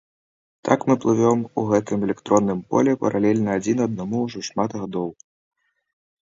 Так мы плывём у гэтым электронным полі паралельна адзін аднаму ўжо шмат гадоў.